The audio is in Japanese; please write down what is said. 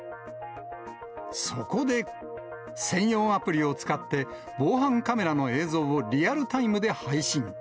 そこで、専用アプリを使って、防犯カメラの映像をリアルタイムで配信。